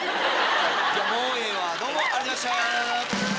もうええわどうもありがとうございました。